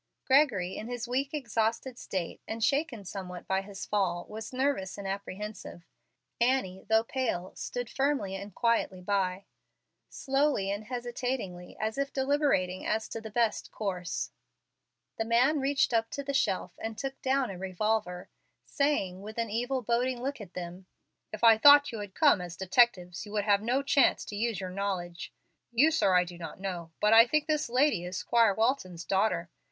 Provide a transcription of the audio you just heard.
Gregory, in his weak, exhausted state, and shaken somewhat by his fall, was nervous and apprehensive. Annie, though pale, stood firmly and quietly by. Slowly and hesitatingly, as if deliberating as to the best course, the man reached up to the shelf and took down a revolver, saying, with an evil boding look at them, "If I thought you had come as detectives, you would have no chance to use your knowledge. You, sir, I do not know, but I think this lady is Squire Walton's daughter.